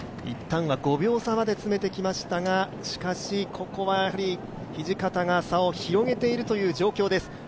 一旦は５秒差まで詰めてきましたが、ここはやはり土方が差を広げているという状況です。